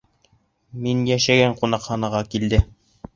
Мин йәшәгән ҡунаҡханаға килде.